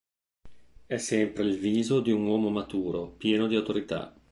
È sempre il viso di un uomo maturo, pieno di autorità.